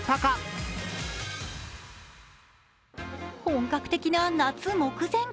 本格的な夏目前。